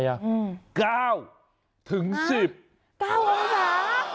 ๙อำสาป